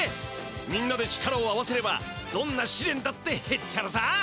みんなで力を合わせればどんなしれんだってへっちゃらさ！